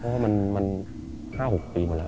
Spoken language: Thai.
เพราะว่ามัน๕๖ปีหมดแล้ว